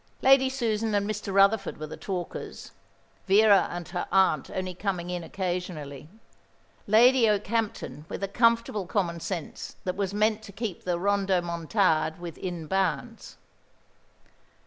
Lady Susan and Mr. Rutherford were the talkers, Vera and her aunt only coming in occasionally: Lady Okehampton with a comfortable common sense that was meant to keep the rodomontade within bounds.